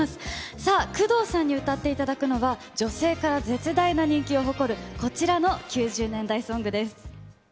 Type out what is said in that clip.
さあ、工藤さんに歌っていただくのは、女性から絶大な人気を誇る、こちらの９０年代ソングです。